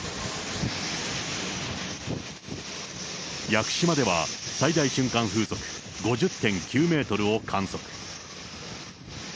屋久島では、最大瞬間風速５０．９メートルを観測。